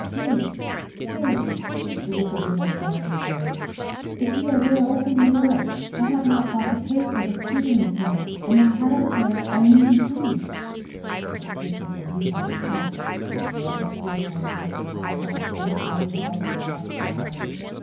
"Teig, Teig!" It was the widow O'Donnelly's voice. "If ye are there, open your door. I have not got the pay for the spriggin' this month, an' the childher are needin' food." But Teig put the leash on his tongue, and never stirred till he heard the tramp of her feet going on to the next cabin.